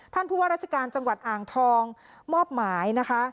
ผู้ว่าราชการจังหวัดอ่างทองมอบหมายนะคะ